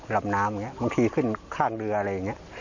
ลำน้ำอย่างนี้บางทีขึ้นข้างเรืออะไรอย่างนี้